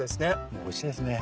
もうおいしいですね。